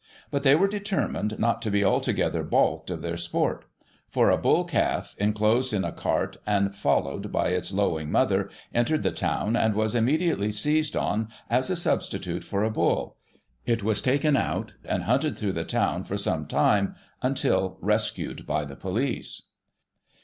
But they were determined not to be altogether baulked of their sport ; for a bull calf, enclosed in a cart, and followed by its lowing mother, entered the town, and was immediately seized on as a substitute for a bull. It was taken out, cind hunted through the town for some time, until rescued by the police.